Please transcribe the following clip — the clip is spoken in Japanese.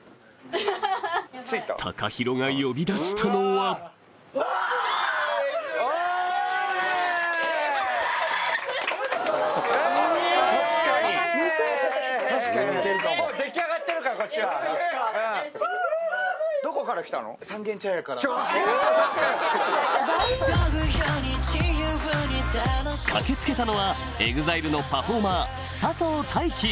ＴＡＫＡＨＩＲＯが呼び出したのは駆け付けたのはＥＸＩＬＥのパフォーマー佐藤大樹